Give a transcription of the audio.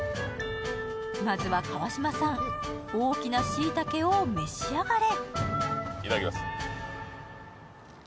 まずは川島さん、大きなしいたけを召し上がれ。